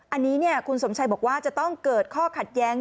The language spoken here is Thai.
อันนี้คุณสมชัยบอกว่าจะต้องเกิดข้อขัดแย้ง